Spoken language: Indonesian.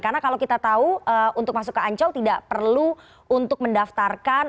karena kalau kita tahu untuk masuk ke ancol tidak perlu untuk mendaftarkan